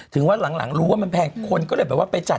ถึงวันหลังรู้ว่ามันแพงคนก็เลยแบบว่าไปจับ